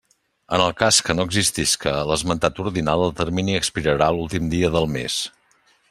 En el cas que no existisca l'esmentat ordinal, el termini expirarà l'últim dia del mes.